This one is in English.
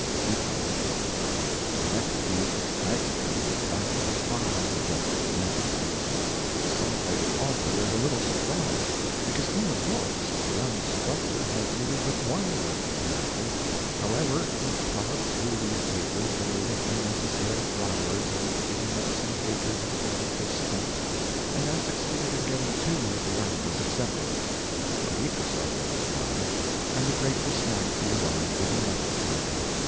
SEQUEL The next week Snagsby was back with five rejected manuscripts. The celebrated author was a little surprised, because in the books the young struggler had needed but one lift, apparently. However, he plowed through these papers, removing unnecessary flowers and digging up some acres of adjective stumps, and then succeeded in getting two of the articles accepted. A week or so drifted by, and the grateful Snagsby arrived with another cargo.